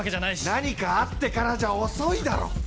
何かあってからじゃ遅いだろ！